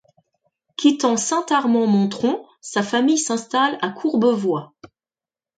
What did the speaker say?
Quittant Saint-Amand Montrond, sa famille s'installe à Courbevoie.